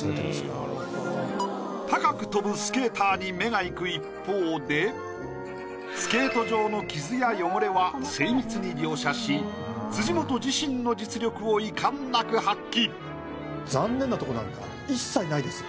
高く跳ぶスケーターに目がいく一方でスケート場の傷や汚れは精密に描写し辻元自身の実力を遺憾なく発揮。